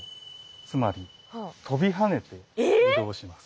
つまり跳びはねて移動します。